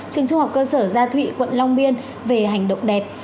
trường trung học cơ sở gia thụy quận long biên về hành động đẹp